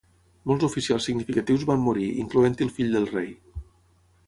Molts oficials significatius van morir incloent-hi el fill del rei.